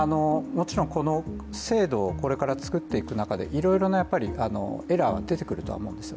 この制度をこれから作っていく中でいろいろなエラーが出てくると思うんです。